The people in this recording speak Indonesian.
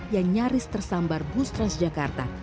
yang nyaris tersambar bus transjakarta